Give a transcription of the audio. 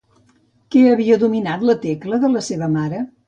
Què havia dominat la Tecla de la seva mare?